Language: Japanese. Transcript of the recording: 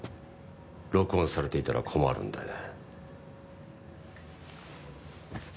録音されていたら困るのでね。